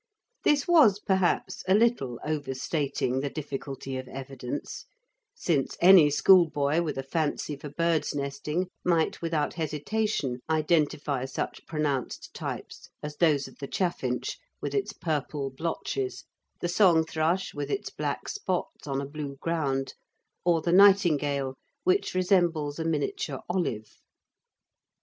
This was, perhaps, a little overstating the difficulty of evidence, since any schoolboy with a fancy for birds nesting might without hesitation identify such pronounced types as those of the chaffinch, with its purple blotches, the song thrush with its black spots on a blue ground, or the nightingale, which resembles a miniature olive.